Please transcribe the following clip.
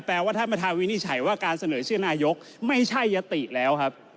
ว่าท่านประธานวินิจฉัยว่าการเสนอชื่อนายกไม่ใช่ยติแล้วครับ